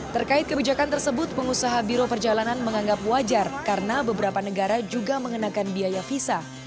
terkait kebijakan tersebut pengusaha biro perjalanan menganggap wajar karena beberapa negara juga mengenakan biaya visa